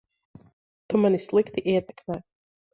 Tu mani slikti ietekmē.